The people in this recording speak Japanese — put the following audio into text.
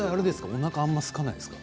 おなかあんますかないですか？